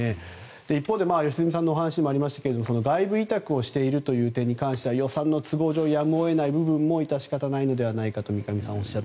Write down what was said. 一方、良純さんのお話にもありましたが外部委託をしているという点に関しては予算の都合上やむを得ない部分を致し方がないんじゃないかと。